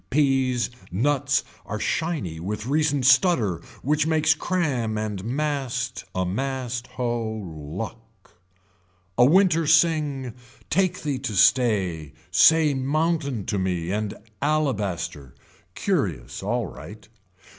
Peas nuts are shiny with recent stutter which makes cram and mast a mast hoe, luck. A winter sing, take thee to stay, say mountain to me and alabaster. Curious alright.